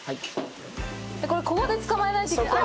これ、ここでつかまえないといけない。